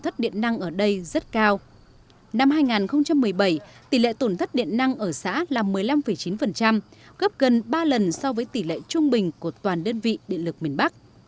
tỷ lệ tổn thất điện năng ở xã là một mươi năm chín gấp gần ba lần so với tỷ lệ trung bình của toàn đơn vị điện lực miền bắc